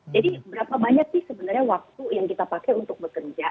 jadi berapa banyak sih sebenarnya waktu yang kita pakai untuk bekerja